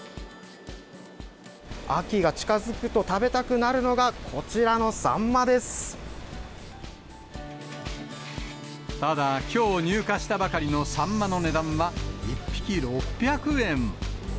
秋が近づくと食べたくなるのただ、きょう入荷したばかりのサンマの値段は、１匹６００円。